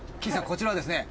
こちらはですね